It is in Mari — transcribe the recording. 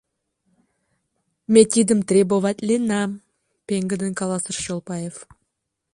Ме тидым требоватлена! — пеҥгыдын каласыш Чолпаев.